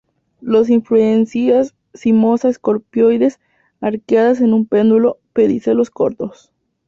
Las inflorescencias cimosa-escorpioides; arqueadas en pedúnculo; pedicelos cortos.